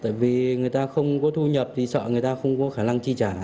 tại vì người ta không có thu nhập thì sợ người ta không có khả năng chi trả